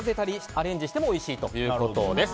アレンジしてもおいしいということです。